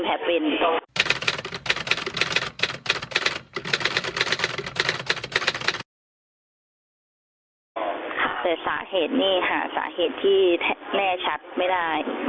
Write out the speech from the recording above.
้าสาเหตุที่แน่ชัดไม่ได้